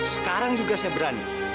sekarang juga saya berani